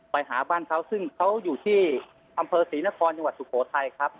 ไปหาบ้านเขาซึ่งเขาอยู่ที่อำเภอศรีนครจังหวัดสุโขทัยครับ